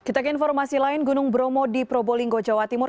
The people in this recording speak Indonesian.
kita ke informasi lain gunung bromo di probolinggo jawa timur